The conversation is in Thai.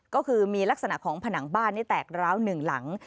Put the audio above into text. ก็คือมีลักษณะของผนังบ้านนี่แตกร้าวหนึ่งหลัง